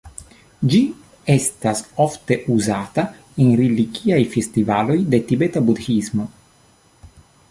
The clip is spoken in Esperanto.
Ĝi estas ofte uzata en religiaj festivaloj de Tibeta budhismo.